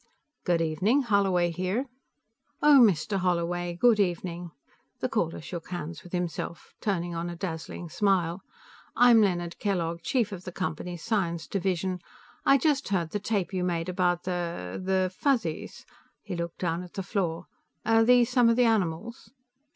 "Good evening; Holloway here." "Oh, Mr. Holloway, good evening." The caller shook hands with himself, turning on a dazzling smile. "I'm Leonard Kellogg, chief of the Company's science division. I just heard the tape you made about the the Fuzzies?" He looked down at the floor. "Are these some of the animals?"